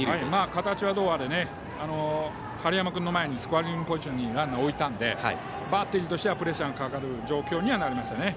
形はどうあれ春山君の前にスコアリングポジションにランナーを置いたのでバッテリーとしてはプレッシャーがかかる状況にはなりましたね。